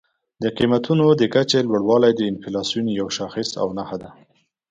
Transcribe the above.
د قیمتونو د کچې لوړوالی د انفلاسیون یو شاخص او نښه ده.